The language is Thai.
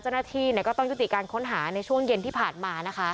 เจ้าหน้าที่ก็ต้องยุติการค้นหาในช่วงเย็นที่ผ่านมานะคะ